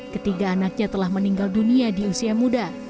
ketiga anaknya telah meninggal dunia di usia muda